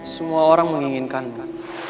semua orang menginginkanmu